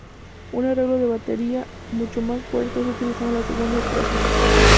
Un arreglo de batería mucho más fuerte es utilizado en la segunda estrofa.